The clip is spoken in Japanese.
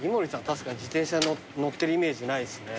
確かに自転車乗ってるイメージないですね。